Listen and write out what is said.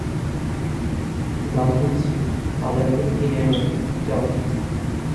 দাম দিচ্ছি, বাজার থেকে কিনে আনো গে যাও।